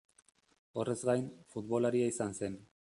Horrez gain, futbolaria izan zen.